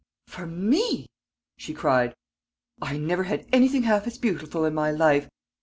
"For me!" she cried. "I never had anything half as beautiful in my life.